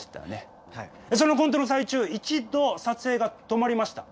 そのコントの最中一度撮影が止まりました。